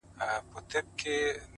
زه له سهاره تر ماښامه میکده کي پروت وم;